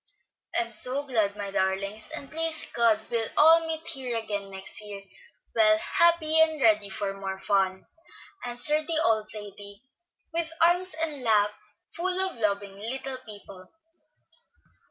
"I'm so glad, my darlings, and please God we'll all meet here again next year, well and happy and ready for more fun," answered the old lady, with arms and lap full of loving little people.